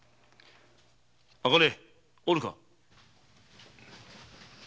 茜おるか。